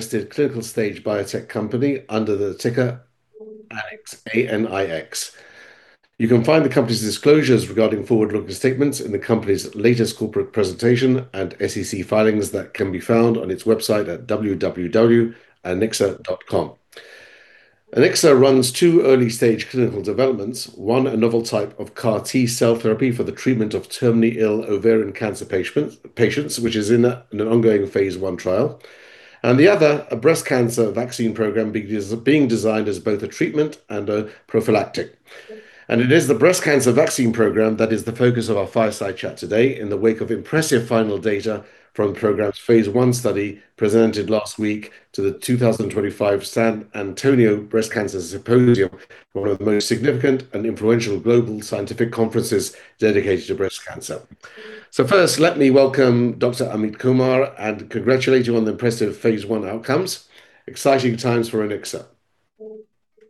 Listed clinical stage biotech company under the ticker Anixa. A-N-I-X-A. You can find the company's disclosures regarding forward-looking statements in the company's latest corporate presentation and SEC filings that can be found on its website at www.anixa.com. Anixa runs two early-stage clinical developments, one a novel type of CAR T cell therapy for the treatment of terminally ill ovarian cancer patients, which is in an ongoing phase I trial, and the other a breast cancer vaccine program being designed as both a treatment and a prophylactic. And it is the breast cancer vaccine program that is the focus of our fireside chat today in the wake of impressive final data from the program's phase I study presented last week to the 2025 san Antonio Breast Cancer Symposium, one of the most significant and influential global scientific conferences dedicated to breast cancer. So first, let me welcome Dr. Amit Kumar and congratulate you on the impressive phase I outcomes. Exciting times for Anixa.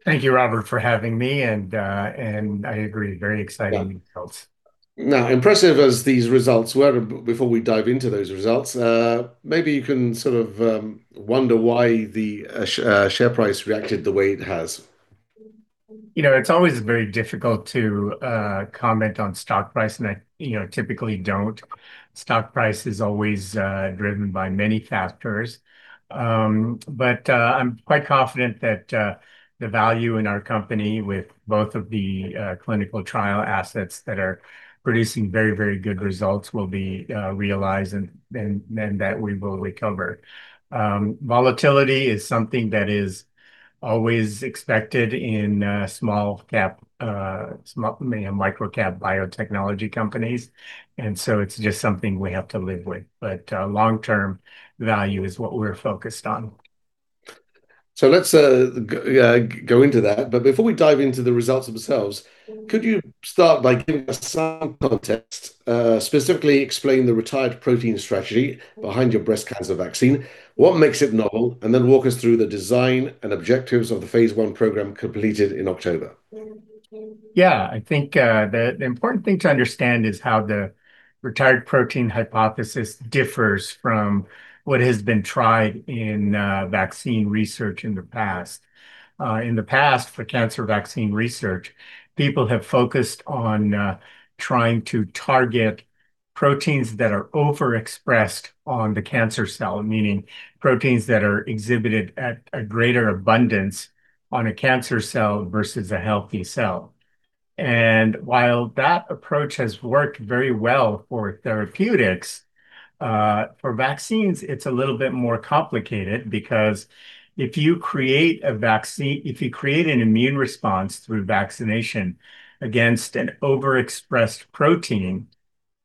Thank you, Robert, for having me, and I agree, very exciting results. Now, impressive as these results were, before we dive into those results, maybe you can sort of wonder why the share price reacted the way it has. You know, it's always very difficult to comment on stock price, and I typically don't. Stock price is always driven by many factors, but I'm quite confident that the value in our company with both of the clinical trial assets that are producing very, very good results will be realized and that we will recover. Volatility is something that is always expected in small-cap, microcap biotechnology companies, and so it's just something we have to live with, but long-term value is what we're focused on. So let's go into that. But before we dive into the results themselves, could you start by giving us some context, specifically explain the targeted protein strategy behind your breast cancer vaccine, what makes it novel, and then walk us through the design and objectives of the phase I program completed in October? Yeah, I think the important thing to understand is how the retired protein hypothesis differs from what has been tried in vaccine research in the past. In the past, for cancer vaccine research, people have focused on trying to target proteins that are overexpressed on the cancer cell, meaning proteins that are exhibited at a greater abundance on a cancer cell versus a healthy cell. And while that approach has worked very well for therapeutics, for vaccines, it's a little bit more complicated because if you create a vaccine, if you create an immune response through vaccination against an overexpressed protein,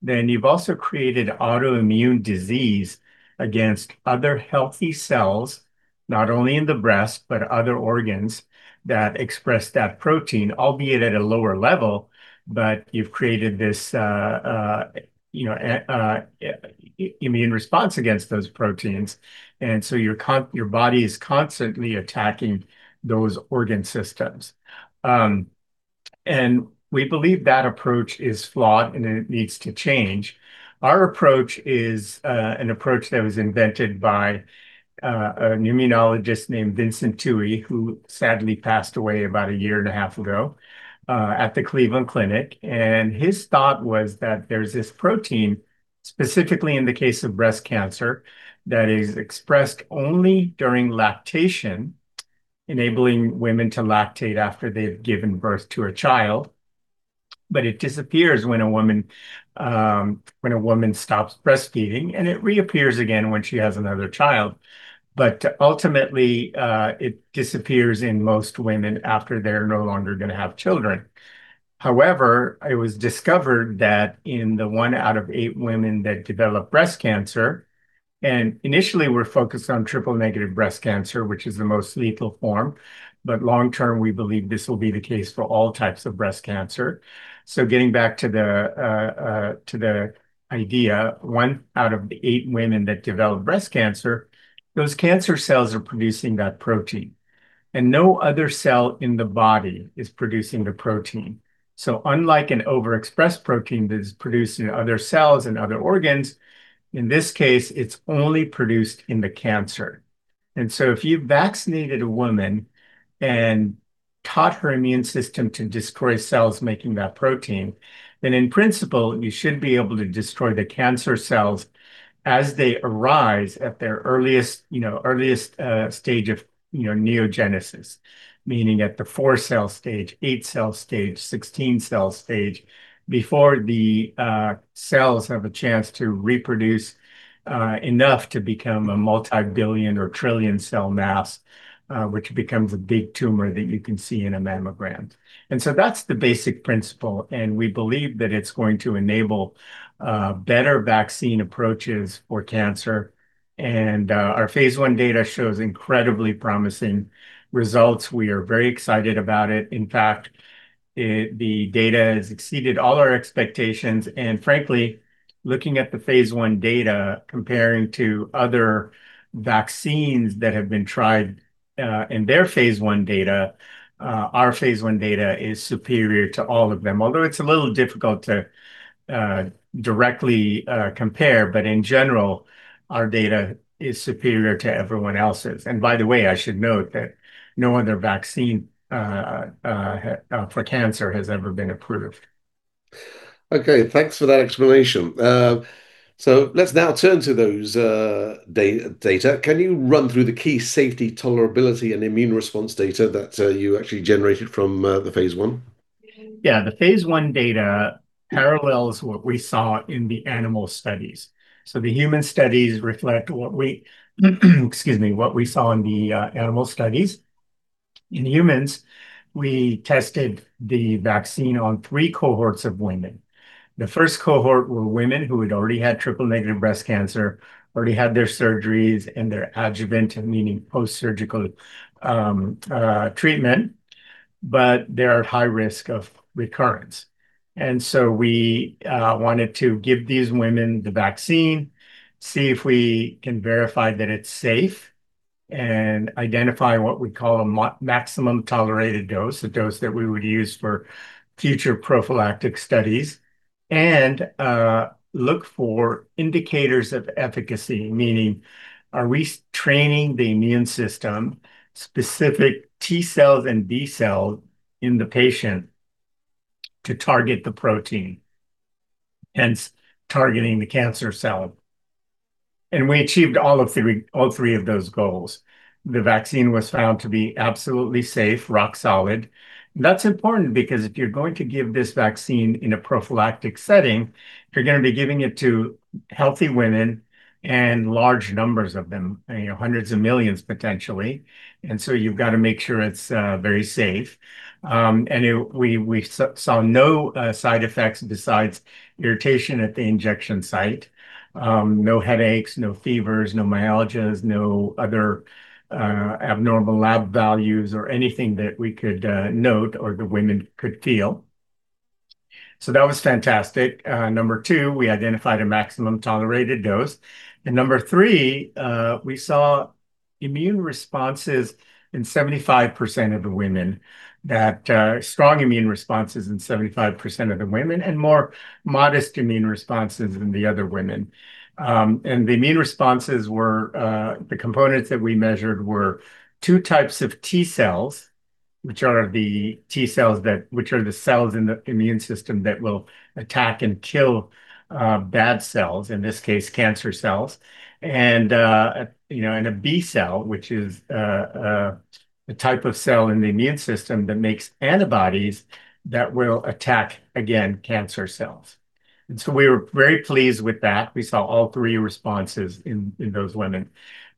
then you've also created autoimmune disease against other healthy cells, not only in the breast, but other organs that express that protein, albeit at a lower level. But you've created this immune response against those proteins. And so your body is constantly attacking those organ systems. We believe that approach is flawed and it needs to change. Our approach is an approach that was invented by an immunologist named Vincent Tuohy, who sadly passed away about a year and a half ago at the Cleveland Clinic. His thought was that there's this protein, specifically in the case of breast cancer, that is expressed only during lactation, enabling women to lactate after they've given birth to a child. But it disappears when a woman stops breastfeeding, and it reappears again when she has another child. But ultimately, it disappears in most women after they're no longer going to have children. However, it was discovered that in the one out of eight women that develop breast cancer, and initially we're focused on triple-negative breast cancer, which is the most lethal form, but long-term, we believe this will be the case for all types of breast cancer. Getting back to the idea, one out of eight women that develop breast cancer, those cancer cells are producing that protein. No other cell in the body is producing the protein. Unlike an overexpressed protein that is produced in other cells and other organs, in this case, it's only produced in the cancer. If you've vaccinated a woman and taught her immune system to destroy cells making that protein, then in principle, you should be able to destroy the cancer cells as they arise at their earliest stage of neogenesis, meaning at the four-cell stage, eight-cell stage, 16-cell stage, before the cells have a chance to reproduce enough to become a multi-billion or trillion cell mass, which becomes a big tumor that you can see in a mammogram. That's the basic principle. And we believe that it's going to enable better vaccine approaches for cancer. And our phase I data shows incredibly promising results. We are very excited about it. In fact, the data has exceeded all our expectations. And frankly, looking at the phase I data, comparing to other vaccines that have been tried in their phase I data, our phase I data is superior to all of them, although it's a little difficult to directly compare. But in general, our data is superior to everyone else's. And by the way, I should note that no other vaccine for cancer has ever been approved. Okay, thanks for that explanation. So let's now turn to those data. Can you run through the key safety, tolerability, and immune response data that you actually generated from the phase I? Yeah, the phase I data parallels what we saw in the animal studies. So the human studies reflect what we, excuse me, what we saw in the animal studies. In humans, we tested the vaccine on three cohorts of women. The first cohort were women who had already had triple-negative breast cancer, already had their surgeries and their adjuvant, meaning post-surgical treatment, but they're at high risk of recurrence. And so we wanted to give these women the vaccine, see if we can verify that it's safe, and identify what we call a maximum tolerated dose, a dose that we would use for future prophylactic studies, and look for indicators of efficacy, meaning are we training the immune system, specific T cells and B cells in the patient to target the protein, hence targeting the cancer cell. And we achieved all three of those goals. The vaccine was found to be absolutely safe, rock solid. That's important because if you're going to give this vaccine in a prophylactic setting, you're going to be giving it to healthy women and large numbers of them, hundreds of millions potentially. And so you've got to make sure it's very safe. And we saw no side effects besides irritation at the injection site, no headaches, no fevers, no myalgias, no other abnormal lab values or anything that we could note or the women could feel. So that was fantastic. Number two, we identified a maximum tolerated dose. And number three, we saw immune responses in 75% of the women, strong immune responses in 75% of the women, and more modest immune responses in the other women. The immune responses were the components that we measured were two types of T cells, which are the T cells that are the cells in the immune system that will attack and kill bad cells, in this case, cancer cells, and a B cell, which is a type of cell in the immune system that makes antibodies that will attack, again, cancer cells. We were very pleased with that. We saw all three responses in those women.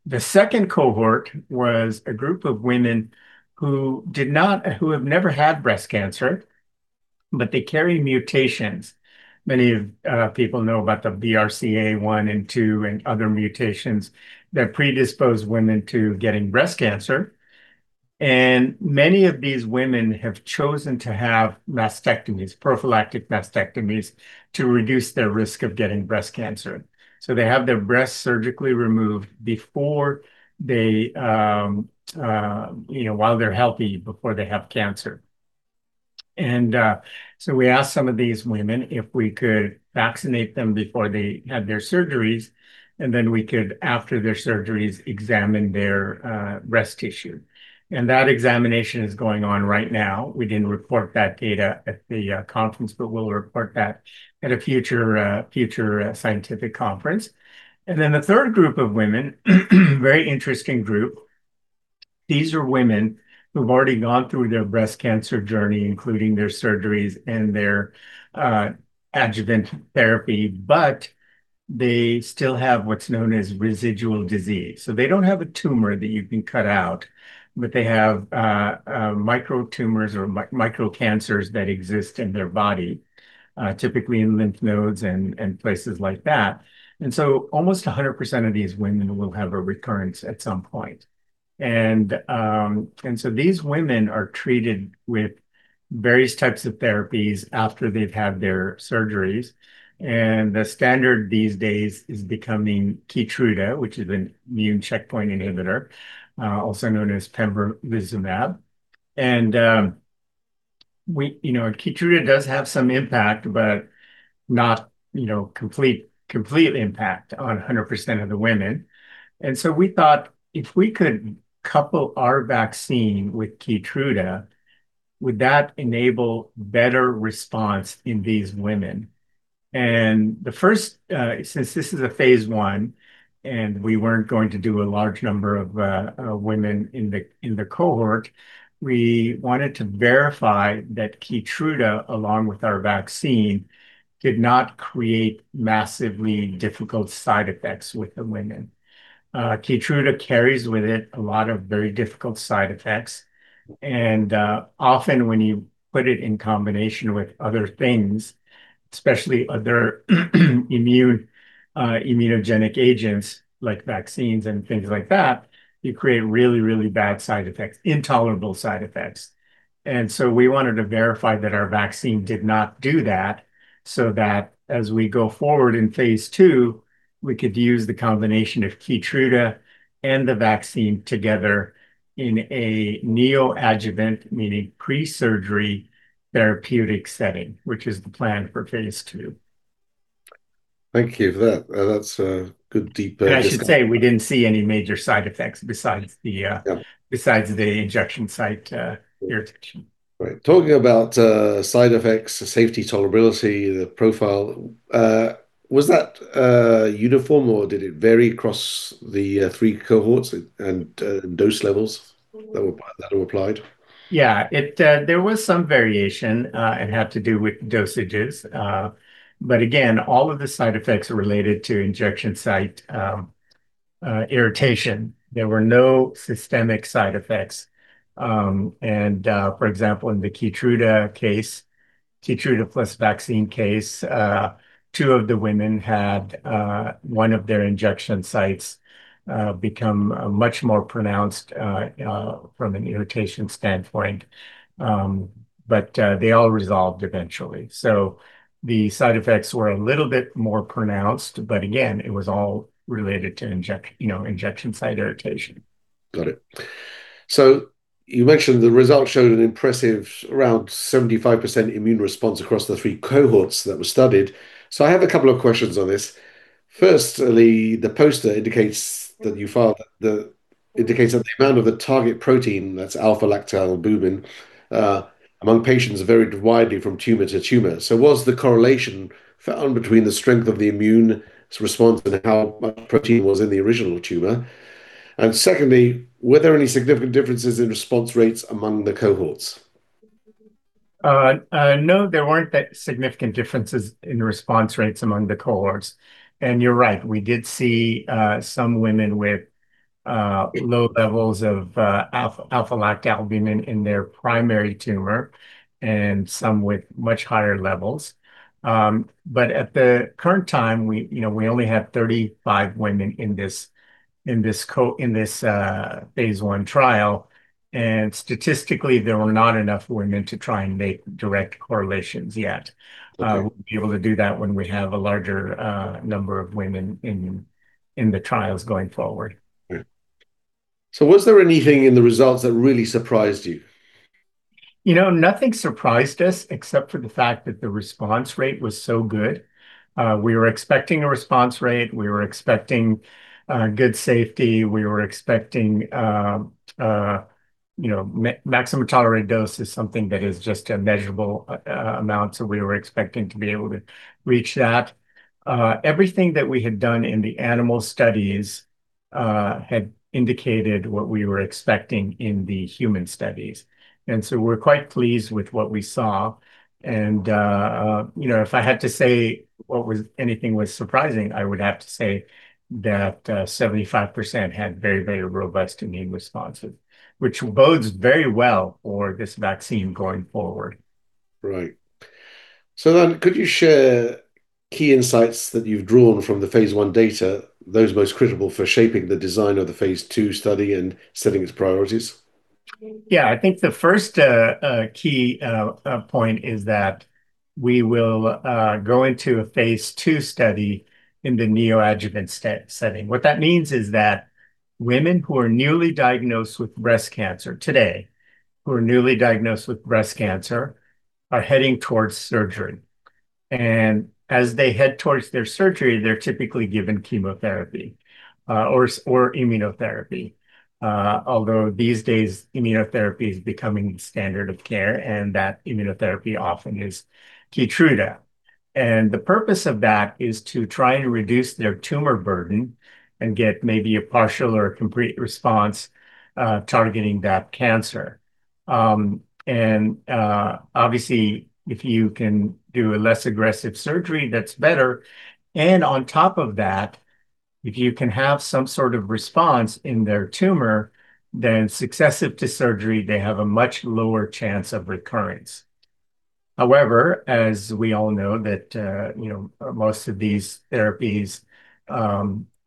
The second cohort was a group of women who have never had breast cancer, but they carry mutations. Many people know about the BRCA1 and BRCA2 and other mutations that predispose women to getting breast cancer. Many of these women have chosen to have mastectomies, prophylactic mastectomies, to reduce their risk of getting breast cancer. So they have their breasts surgically removed while they're healthy before they have cancer. And so we asked some of these women if we could vaccinate them before they had their surgeries, and then we could, after their surgeries, examine their breast tissue. And that examination is going on right now. We didn't report that data at the conference, but we'll report that at a future scientific conference. And then the third group of women, very interesting group, these are women who've already gone through their breast cancer journey, including their surgeries and their adjuvant therapy, but they still have what's known as residual disease. So they don't have a tumor that you can cut out, but they have microtumors or microcancers that exist in their body, typically in lymph nodes and places like that. And so almost 100% of these women will have a recurrence at some point. And so these women are treated with various types of therapies after they've had their surgeries. And the standard these days is becoming Keytruda, which is an immune checkpoint inhibitor, also known as pembrolizumab. And Keytruda does have some impact, but not complete impact on 100% of the women. And so we thought if we could couple our vaccine with Keytruda, would that enable better response in these women? And since this is a phase I and we weren't going to do a large number of women in the cohort, we wanted to verify that Keytruda, along with our vaccine, did not create massively difficult side effects with the women. Keytruda carries with it a lot of very difficult side effects. And often when you put it in combination with other things, especially other immunogenic agents like vaccines and things like that, you create really, really bad side effects, intolerable side effects. And so we wanted to verify that our vaccine did not do that so that as we go forward in phase II, we could use the combination of Keytruda and the vaccine together in a neoadjuvant, meaning pre-surgery therapeutic setting, which is the plan for phase II. Thank you for that. That's a good deep. I should say we didn't see any major side effects besides the injection site irritation. Right. Talking about side effects, safety, tolerability, the profile, was that uniform or did it vary across the three cohorts and dose levels that were applied? Yeah, there was some variation. It had to do with dosages, but again, all of the side effects are related to injection site irritation. There were no systemic side effects, and for example, in the Keytruda case, Keytruda plus vaccine case, two of the women had one of their injection sites become much more pronounced from an irritation standpoint, but they all resolved eventually, so the side effects were a little bit more pronounced, but again, it was all related to injection site irritation. Got it, so you mentioned the result showed an impressive around 75% immune response across the three cohorts that were studied, so I have a couple of questions on this. First, the poster indicates that you found that the amount of the target protein, that's alpha-lactalbumin, among patients varied widely from tumor to tumor, so was the correlation found between the strength of the immune response and how much protein was in the original tumor? And secondly, were there any significant differences in response rates among the cohorts? No, there weren't significant differences in the response rates among the cohorts, and you're right, we did see some women with low levels of alpha-lactalbumin in their primary tumor and some with much higher levels, but at the current time, we only have 35 women in this phase I trial, and statistically, there were not enough women to try and make direct correlations yet. We'll be able to do that when we have a larger number of women in the trials going forward. So was there anything in the results that really surprised you? Nothing surprised us except for the fact that the response rate was so good. We were expecting a response rate. We were expecting good safety. We were expecting maximum tolerated dose is something that is just a measurable amount, so we were expecting to be able to reach that. Everything that we had done in the animal studies had indicated what we were expecting in the human studies, and so we're quite pleased with what we saw, and if I had to say anything was surprising, I would have to say that 75% had very, very robust immune responses, which bodes very well for this vaccine going forward. Right. So then could you share key insights that you've drawn from the phase I data, those most critical for shaping the design of the phase two study and setting its priorities? Yeah, I think the first key point is that we will go into a phase two study in the neoadjuvant setting. What that means is that women who are newly diagnosed with breast cancer today, who are newly diagnosed with breast cancer, are heading towards surgery. And as they head towards their surgery, they're typically given chemotherapy or immunotherapy, although these days, immunotherapy is becoming the standard of care, and that immunotherapy often is Keytruda. And the purpose of that is to try and reduce their tumor burden and get maybe a partial or complete response targeting that cancer. And obviously, if you can do a less aggressive surgery, that's better. And on top of that, if you can have some sort of response in their tumor, then successive to surgery, they have a much lower chance of recurrence. However, as we all know, most of these therapies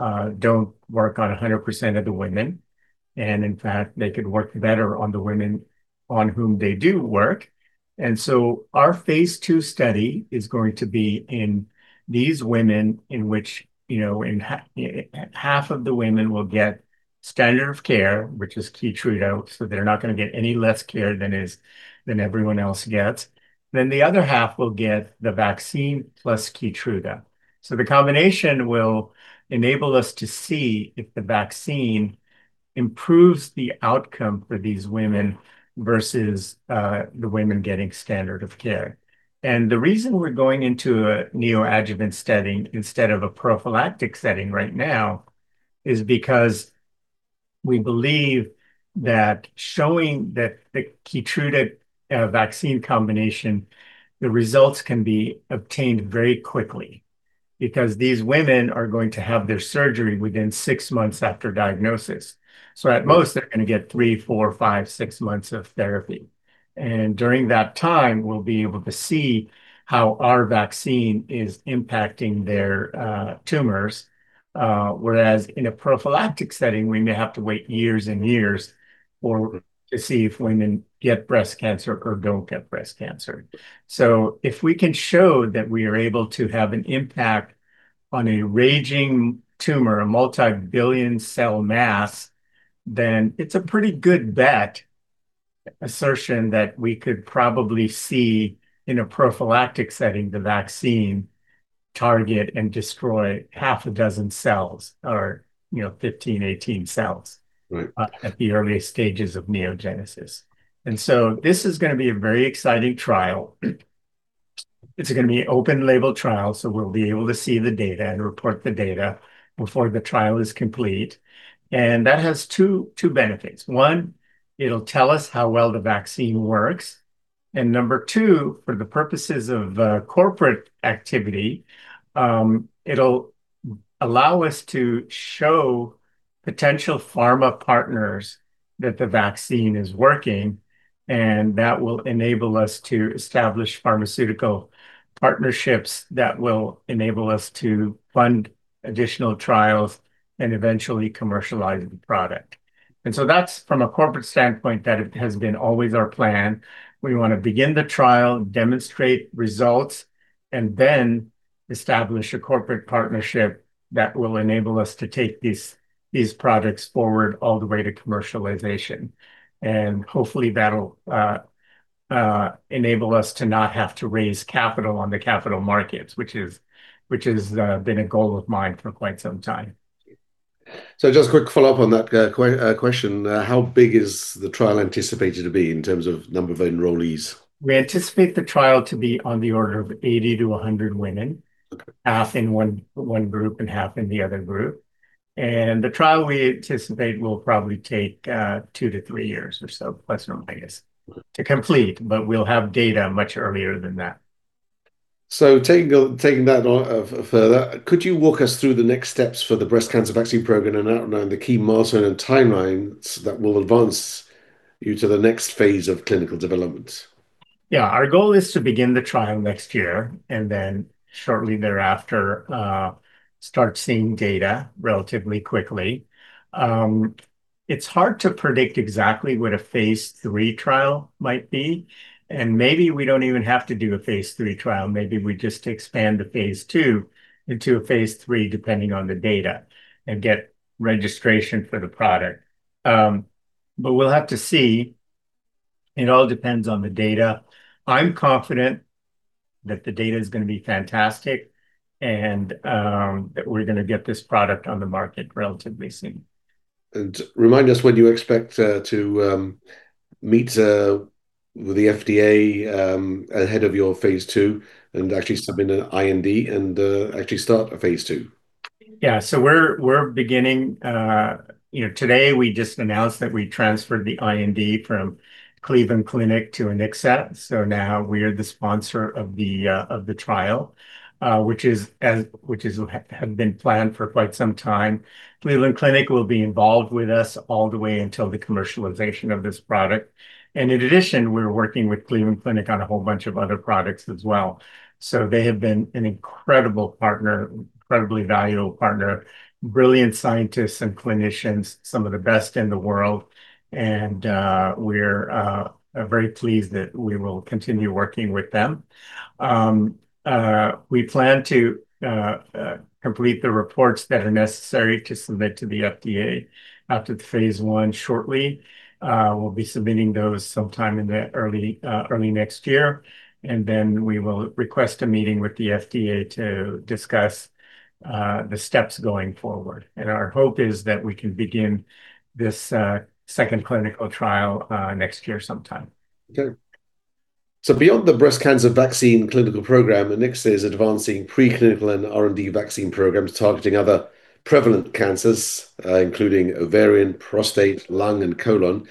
don't work on 100% of the women, and in fact, they could work better on the women on whom they do work, and so our phase II study is going to be in these women in which half of the women will get standard of care, which is Keytruda, so they're not going to get any less care than everyone else gets, then the other half will get the vaccine plus Keytruda, so the combination will enable us to see if the vaccine improves the outcome for these women versus the women getting standard of care. And the reason we're going into a neoadjuvant setting instead of a prophylactic setting right now is because we believe that showing that the Keytruda vaccine combination, the results can be obtained very quickly because these women are going to have their surgery within six months after diagnosis. So at most, they're going to get three, four, five, six months of therapy. And during that time, we'll be able to see how our vaccine is impacting their tumors, whereas in a prophylactic setting, we may have to wait years and years to see if women get breast cancer or don't get breast cancer. If we can show that we are able to have an impact on a raging tumor, a multibillion cell mass, then it's a pretty good bet assertion that we could probably see in a prophylactic setting, the vaccine target and destroy half a dozen cells or 15-18 cells at the early stages of neogenesis. This is going to be a very exciting trial. It's going to be an open-label trial, so we'll be able to see the data and report the data before the trial is complete. That has two benefits. One, it'll tell us how well the vaccine works. Number two, for the purposes of corporate activity, it'll allow us to show potential pharma partners that the vaccine is working, and that will enable us to establish pharmaceutical partnerships that will enable us to fund additional trials and eventually commercialize the product. So that's from a corporate standpoint that it has been always our plan. We want to begin the trial, demonstrate results, and then establish a corporate partnership that will enable us to take these products forward all the way to commercialization. Hopefully, that'll enable us to not have to raise capital on the capital markets, which has been a goal of mine for quite some time. So just a quick follow-up on that question. How big is the trial anticipated to be in terms of number of enrollees? We anticipate the trial to be on the order of 80-100 women, half in one group and half in the other group, and the trial we anticipate will probably take two to three years or so, plus or minus, to complete, but we'll have data much earlier than that. So taking that further, could you walk us through the next steps for the breast cancer vaccine program and outline the key milestone and timeline that will advance you to the next phase of clinical development? Yeah, our goal is to begin the trial next year and then shortly thereafter start seeing data relatively quickly. It's hard to predict exactly what a phase III trial might be. Maybe we don't even have to do a phase III trial. Maybe we just expand the phase II into a phase III, depending on the data, and get registration for the product. We'll have to see. It all depends on the data. I'm confident that the data is going to be fantastic and that we're going to get this product on the market relatively soon. Remind us when you expect to meet with the FDA ahead of your phase two and actually submit an IND and actually start a phase two? Yeah, so we're beginning. Today, we just announced that we transferred the IND from Cleveland Clinic to Anixa. So now we are the sponsor of the trial, which has been planned for quite some time. Cleveland Clinic will be involved with us all the way until the commercialization of this product. And in addition, we're working with Cleveland Clinic on a whole bunch of other products as well. So they have been an incredible partner, incredibly valuable partner, brilliant scientists and clinicians, some of the best in the world. And we're very pleased that we will continue working with them. We plan to complete the reports that are necessary to submit to the FDA after the phase I shortly. We'll be submitting those sometime in the early next year. And then we will request a meeting with the FDA to discuss the steps going forward. Our hope is that we can begin this second clinical trial next year sometime. Okay. So beyond the breast cancer vaccine clinical program, Anixa is advancing preclinical and R&D vaccine programs targeting other prevalent cancers, including ovarian, prostate, lung, and colon.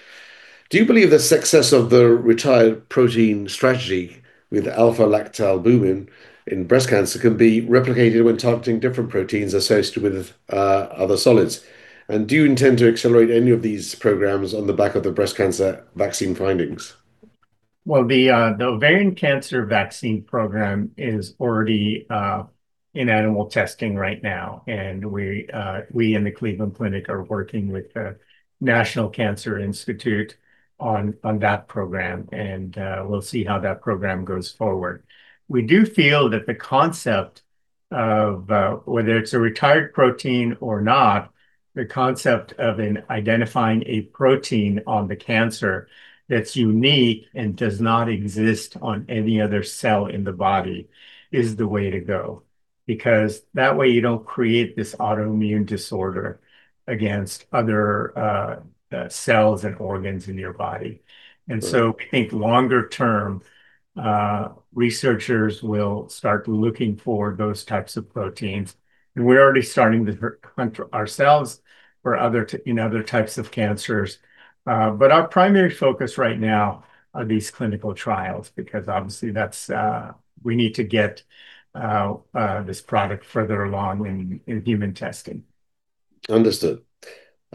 Do you believe the success of the targeted protein strategy with alpha-lactalbumin in breast cancer can be replicated when targeting different proteins associated with other solid tumors? And do you intend to accelerate any of these programs on the back of the breast cancer vaccine findings? Well, the ovarian cancer vaccine program is already in animal testing right now. And we in the Cleveland Clinic are working with the National Cancer Institute on that program. And we'll see how that program goes forward. We do feel that the concept of whether it's a retired protein or not, the concept of identifying a protein on the cancer that's unique and does not exist on any other cell in the body is the way to go. Because that way, you don't create this autoimmune disorder against other cells and organs in your body. And so I think longer-term researchers will start looking for those types of proteins. And we're already starting to hunt ourselves in other types of cancers. But our primary focus right now are these clinical trials because obviously we need to get this product further along in human testing. Understood.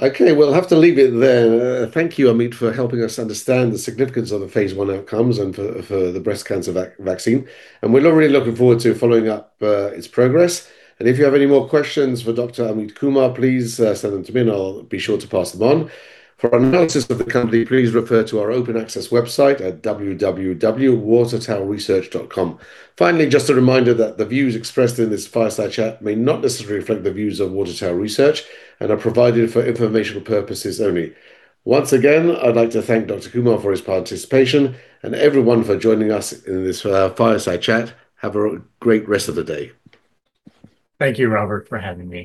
Okay, we'll have to leave it there. Thank you, Amit, for helping us understand the significance of the phase I outcomes and for the breast cancer vaccine. And we're really looking forward to following up its progress. And if you have any more questions for Dr. Amit Kumar, please send them to me, and I'll be sure to pass them on. For analysis of the company, please refer to our open access website at www.watertowerresearch.com. Finally, just a reminder that the views expressed in this fireside chat may not necessarily reflect the views of Water Tower Research and are provided for informational purposes only. Once again, I'd like to thank Dr. Kumar for his participation and everyone for joining us in this fireside chat. Have a great rest of the day. Thank you, Robert, for having me.